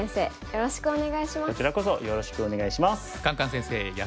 よろしくお願いします。